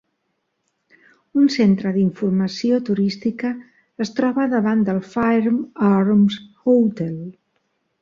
Un centre d'informació turística es troba davant del Fife Arms Hotel.